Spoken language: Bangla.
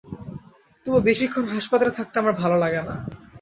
তবু বেশিক্ষণ হাসপাতালে থাকতে আমার ভালো লাগে না।